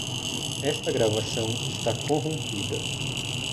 Esta gravação está corrompida.